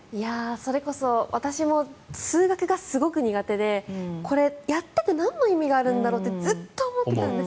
それこそ私も数学がすごく苦手でこれ、やったってなんの意味があるんだろうってずっと思ってたんですよ。